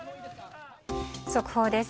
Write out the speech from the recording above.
速報です。